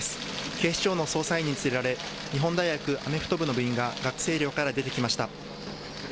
警視庁の捜査員に連れられ日本大学アメフト部の部員が学生寮から出てきました。